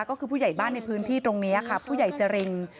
ก็คือผู้ใหญ่บ้านในพื้นที่ตรงนี้ค่ะผู้ใหญ่จริน